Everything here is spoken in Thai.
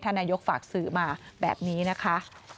ท่านนายกษ์ฝากสื่อมาแบบนี้นะคะ